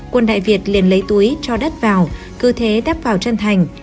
quân đại việt liền lấy túi cho đất vào cư thế đắp vào chân thành